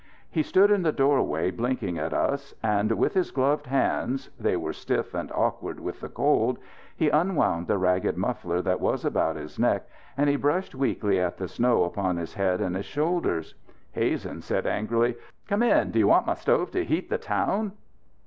He stood in the doorway blinking at us; and with his gloved hands they were stiff and awkward with the cold he unwound the ragged muffler that was about his neck and he brushed weakly at the snow upon his head and his shoulders. Hazen said angrily: "Come in! Do you want my stove to heat the town?"